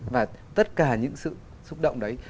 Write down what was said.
và tất cả những sự xúc động đấy